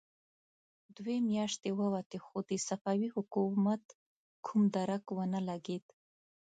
دوې مياشتې ووتې، خو د صفوي حکومت کوم درک ونه لګېد.